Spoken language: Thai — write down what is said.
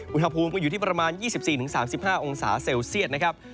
อุณหภูมิก็อยู่ที่ประมาณ๒๔๓๕องศาเซลเซียตนะครับ